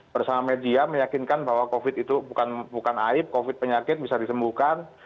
bersama media meyakinkan bahwa covid itu bukan aib covid penyakit bisa disembuhkan